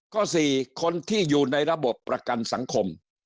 ๔คนที่อยู่ในระบบประกันสังคม